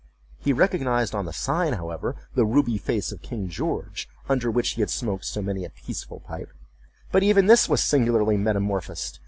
He recognized on the sign, however, the ruby face of King George, under which he had smoked so many a peaceful pipe; but even this was singularly metamorphosed.